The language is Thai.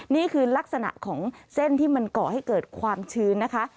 นี่คือลักษณะของเส้นที่มันก่อให้เกิดความชื้นนะคะ